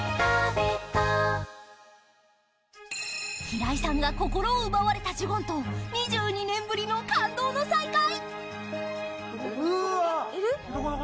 平井さんが心奪われたジュゴンと２２年ぶりの感動の再会。